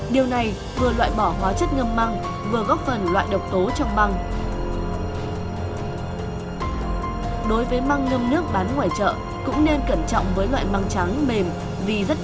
điều này vừa loại bỏ hóa chất ngâm măng vừa góp phần loại độc tố trong băng